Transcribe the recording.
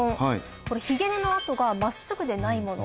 これひげ根の跡が真っすぐでないもの。